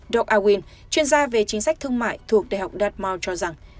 doug alwyn chuyên gia về chính sách thương mại thuộc đại học dartmouth cho rằng